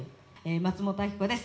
松本明子です。